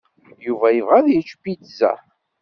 Yuba yebɣa ad yečč pizza.